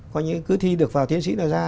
có những cứ thi được vào tiến sĩ là ra